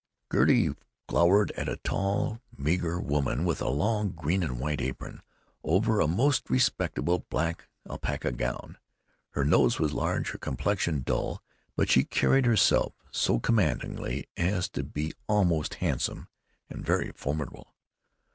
Gertie glowered at a tall, meager woman with a long green and white apron over a most respectable black alpaca gown. Her nose was large, her complexion dull, but she carried herself so commandingly as to be almost handsome and very formidable.